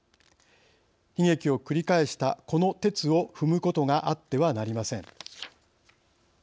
悲劇を繰り返したこのてつを踏むことがあってはなりません。